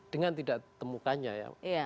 dengan tidak temukannya ya